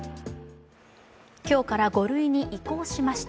今日から５類に移行しました。